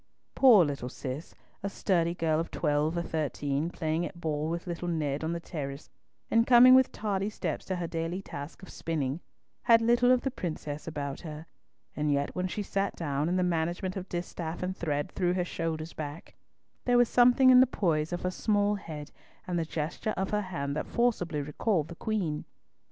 Poor little Cis, a sturdy girl of twelve or thirteen, playing at ball with little Ned on the terrace, and coming with tardy steps to her daily task of spinning, had little of the princess about her; and yet when she sat down, and the management of distaff and thread threw her shoulders back, there was something in the poise of her small head and the gesture of her hand that forcibly recalled the Queen.